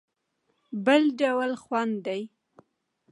بل ډول خوند دی.